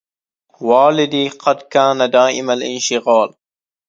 والدي قد كان دائم الانشغال